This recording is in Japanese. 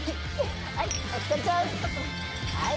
はい！